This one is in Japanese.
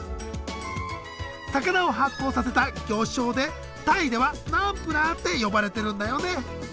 魚を発酵させた魚醤でタイではナンプラーって呼ばれてるんだよね。